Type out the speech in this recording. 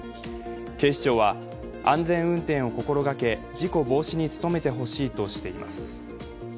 警視庁は、安全運転を心掛け事故防止に努めてほしいとしています。